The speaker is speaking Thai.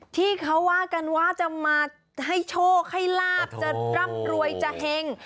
ที่เขาว่ากันว่าจะมาให้โชคให้ลาบจะร่ำรวยจะเห็ง